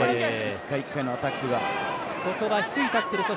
一回一回のアタックが。